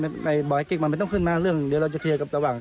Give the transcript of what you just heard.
บอกไอะกิ๊กมันไม่ต้องขึ้นมาเรื่องเดี๋ยวเราจะเปรียกกับตระหว่าง